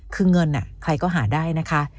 คือเงินใครก็หาได้นะคะ